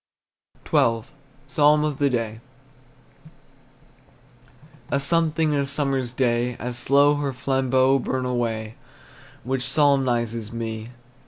XII. PSALM OF THE DAY. A something in a summer's day, As slow her flambeaux burn away, Which solemnizes me.